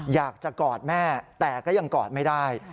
อยากจะกอดแม่แต่ก็ยังกอดไม่ได้